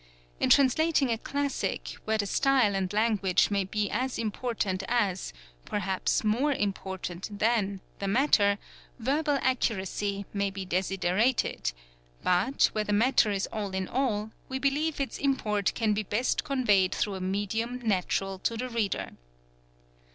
In translating a classic, where the style and i language may be as important as, perhaps more important than, the matter, verbal accuracy may be desiderated; but, where the matter is all in all, we believe its import can be best conveyed through a medium natural to the reader.